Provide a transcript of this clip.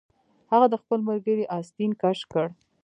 هغه د خپل ملګري آستین کش کړ